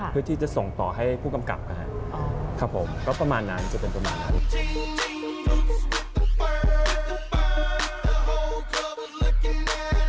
เพื่อที่จะส่งต่อให้ผู้กำกับนะครับผมก็ประมาณนั้นจะเป็นประมาณนั้น